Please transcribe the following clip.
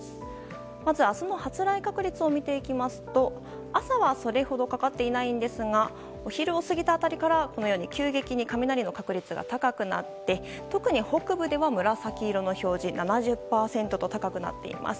まず明日の発雷確率を見ていきますと朝はそれほどかかっていないんですがお昼を過ぎた辺りから急激に雷の確率が高くなって特に北部では紫色の表示７０％と高くなっています。